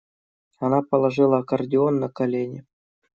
Она положила аккордеон на колени